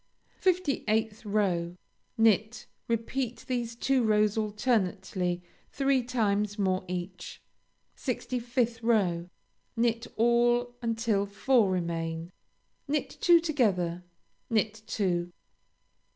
58th row Knit. Repeat these two rows alternately three times more each. 65th row Knit all until four remain; knit two together; knit two.